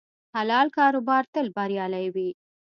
حلال کاروبار تل بریالی وي.